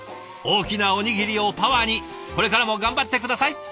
大きなおにぎりをパワーにこれからも頑張って下さい。